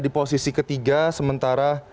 di posisi ketiga sementara